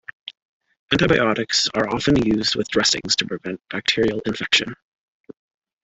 Antibiotics are also often used with dressings to prevent bacterial infection.